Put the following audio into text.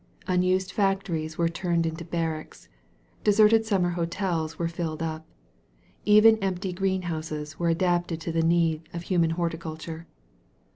Unused factories were turned into barracks. Deserted summer hotels were filled up. Even empty greenhouses were adapted to the need of human horticulture.